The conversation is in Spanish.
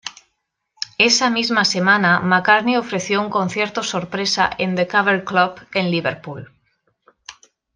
Esa misma semana, McCartney ofreció un concierto sorpresa The Cavern Club en Liverpool.